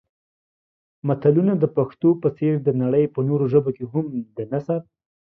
متلونه د پښتو په څېر د نړۍ په نورو ژبو کې هم د نثر